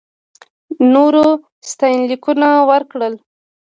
نورو ستاینلیکونه ورکړل.